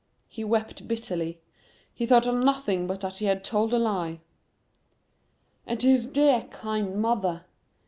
He wept bitterly. He thought of nothing but that he had told a lie! and to his dear, kind mother.